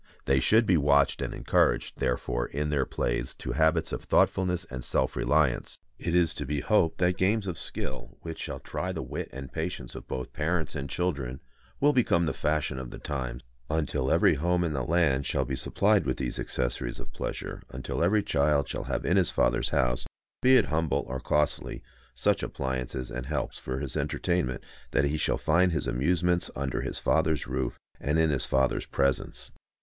They should be watched and encouraged, therefore, in their plays to habits of thoughtfulness and self reliance. It is to be hoped that games of skill, which shall try the wit and patience of both parents and children, will become the fashion of the times, until every home in the land shall be supplied with these accessories of pleasure, until every child shall have in his father's house, be it humble or costly, such appliances and helps for his entertainment that he shall find his amusements under his father's roof and in his father's presence.